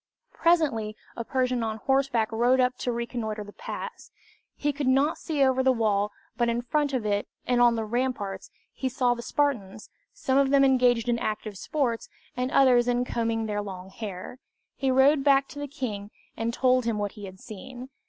Presently a Persian on horseback rode up to reconnoiter the pass. He could not see over the wall, but in front of it and on the ramparts, he saw the Spartans, some of them engaged in active sports, and others in combing their long hair. He rode back to the king, and told him what he had seen.